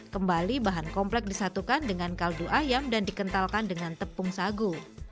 kembali bahan komplek disatukan dengan kaldu ayam dan dikentalkan dengan tepung sagu